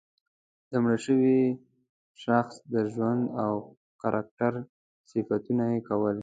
د مړه شوي شخص د ژوند او کرکټر صفتونه یې کول.